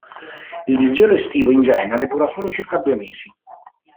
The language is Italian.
Il disgelo estivo in genere dura solo circa due mesi.